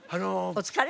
お疲れ？